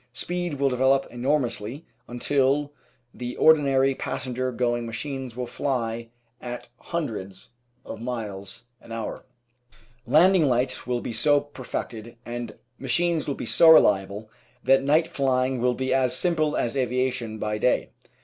Speed will develop enormously until the ordinary passenger going machines will fly at hundreds of miles an hour. 864 The Outline of Science Landing lights will be so perfected and machines will be so reliable that night flying will be as simple as aviation by day.